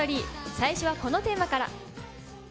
最初はこのテーマから。